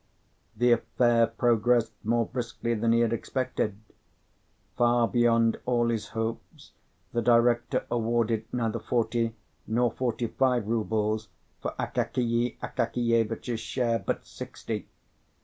The affair progressed more briskly than he had expected. Far beyond all his hopes, the director awarded neither forty nor forty five rubles for Akakiy Akakievitch's share, but sixty.